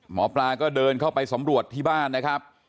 หมอปลาก็เดินเข้าไปสำรวจที่บ้านนะครับ